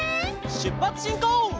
しゅっぱつしんこう！